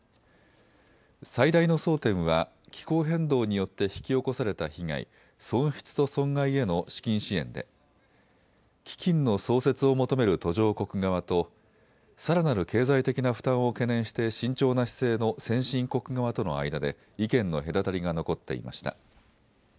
最大の争点は気候変動によって引き起こされた被害、損失と損害への資金支援で基金の創設を求める途上国側とさらなる経済的な負担を懸念して慎重な姿勢の先進国側との間で意見の隔たりが残っていました。